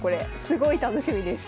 すごい楽しみです。